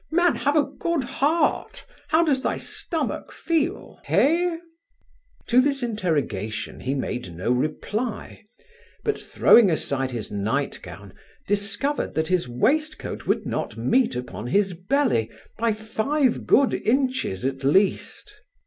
man, have a good heart How does thy stomach feel? hall?' To this interrogation he made no reply; but throwing aside his nightgown, discovered that his waist coat would not meet upon his belly by five good inches at least.